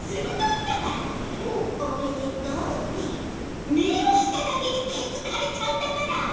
「おめでとう」っていうめをしただけできづかれちゃうんだから！